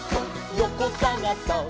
よこさがそっ！」